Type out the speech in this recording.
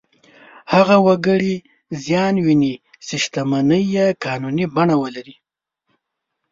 هغه وګړي زیان ویني چې شتمنۍ یې قانوني بڼه ولري.